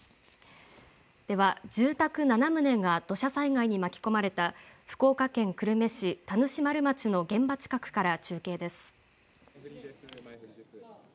では住宅７棟が土砂災害に巻き込まれた福岡県久留米市田主丸町の現場近くから中継です。